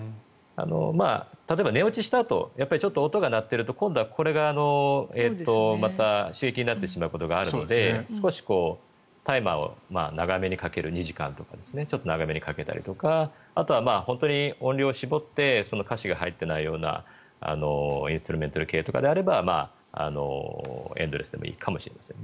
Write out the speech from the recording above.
例えば寝落ちしたあと音が鳴っていると今度はこれがまた刺激になってしまうことがあるので少しタイマーを長めにかける２時間とかちょっと長めにかけたりとかあとは本当に音量を絞って歌詞が入っていないようなインストゥルメンタル系であればエンドレスでもいいかもしれません。